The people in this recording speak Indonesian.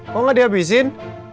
kok gak dihabisin